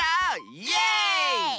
イエーイ！